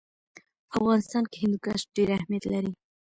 په افغانستان کې هندوکش ډېر اهمیت لري.